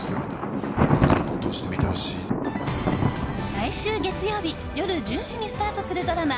来週月曜日夜１０時にスタートするドラマ